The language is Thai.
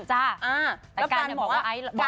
จ้ะแต่กันบอกว่าไอซ์บล็อก